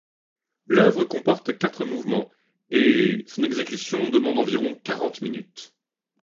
L'œuvre comporte quatre mouvements et son exécution demande environ quarante minutes.